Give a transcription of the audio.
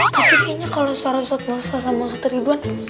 tapi kayaknya kalo suara usat musa sama usat ridwan